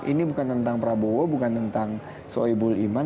ini bukan tentang prabowo bukan tentang soebul iman